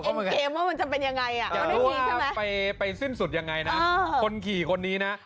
ก็อยากเห็นเป็นยังไงอ่ะในจริงใช่ไหมเนี้ย